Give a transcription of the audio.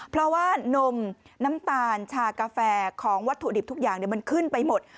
เพราะว่านมน้ำตาลชากาแฟของวัตถุดิบทุกอย่างมันขึ้นไปหมด